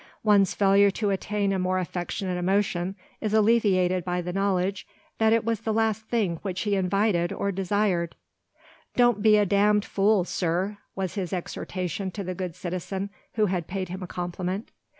One's failure to attain a more affectionate emotion is alleviated by the knowledge that it was the last thing which he invited or desired. "Don't be a damned fool, sir!" was his exhortation to the good citizen who had paid him a compliment.